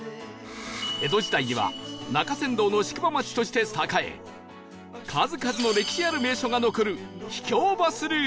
江戸時代には中山道の宿場町として栄え数々の歴史ある名所が残る秘境バスルート